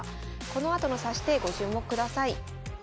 このあとの指し手ご注目ください。